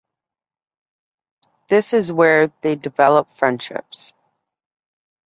This is where they develop friendships.